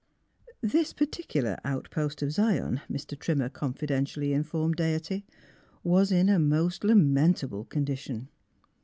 This particular outpost of Zion, Mr. Trimmer confidentially informed Deity, was in a most lamentable condition.